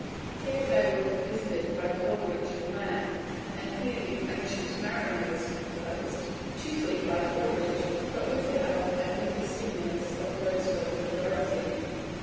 Here they were visited by Coleridge and Lamb, and here the "Ancient Mariner" was composed, chiefly by Coleridge, but with the help and by the stimulus of Wordsworth and Dorothy.